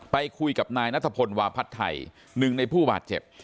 ไปคุยกับนายนัทพลวาพัฒน์ไทยหนึ่งในผู้บาดเจ็บ